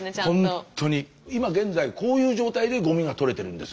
今現在こういう状態でゴミが取れてるんです。